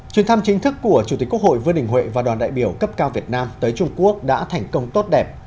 chuyến thăm chính thức của chủ tịch quốc hội vương đình huệ và đoàn đại biểu cấp cao việt nam tới trung quốc đã thành công tốt đẹp